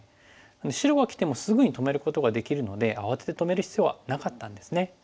白がきてもすぐに止めることができるので慌てて止める必要はなかったんですね。